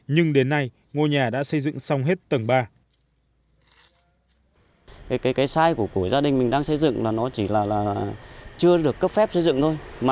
nhưng đến nay ngôi nhà đã xây dựng xong hết tầng ba